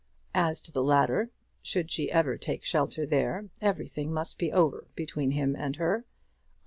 As to the latter, should she ever take shelter there, everything must be over between him and her.